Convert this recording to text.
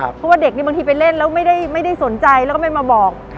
เพราะว่าเด็กนี่บางทีไปเล่นแล้วไม่ได้สนใจแล้วก็ไม่มาบอก